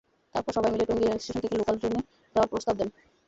তারপর সবাই মিলে টঙ্গী রেলস্টেশন থেকে লোকাল ট্রেনে যাওয়ার প্রস্তাব দেন।